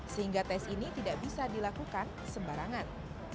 sehingga tes ini tidak bisa dilakukan sembarangan